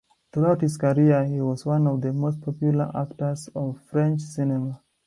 Throughout his career, he was one of the most popular actors of French cinema.